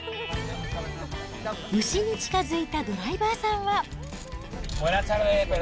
牛に近づいたドライバーさんは。